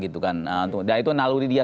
dan itu naluri dia